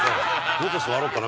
どこ座ろうかな。